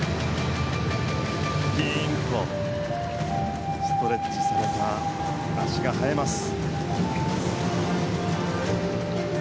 ピーンとストレッチされた脚が映えます。